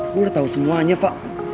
gue udah tau semuanya pak